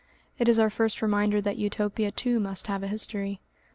It is our first reminder that Utopia too must have a history.